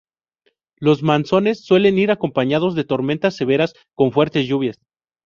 Los monzones suelen ir acompañados de tormentas severas con fuertes lluvias.